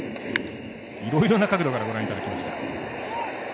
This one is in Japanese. いろいろな角度からご覧いただきました。